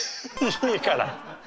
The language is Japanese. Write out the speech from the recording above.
いいから。